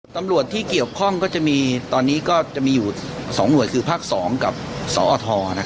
ตำรวจที่เกี่ยวข้องก็จะมีตอนนี้ก็จะมีอยู่สองหน่วยคือภาคสองกับสตอทนะครับก็จะมี